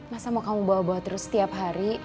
masa mau kamu bawa bawa terus setiap hari